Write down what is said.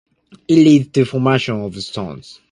It leads to formation of stones.